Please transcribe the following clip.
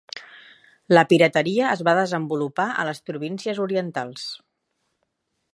La pirateria es va desenvolupar a les províncies orientals.